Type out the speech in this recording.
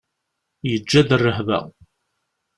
Yeǧǧa-d rrehba.